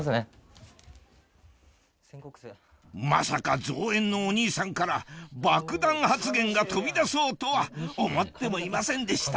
まさか造園のお兄さんから爆弾発言が飛び出そうとは思ってもいませんでした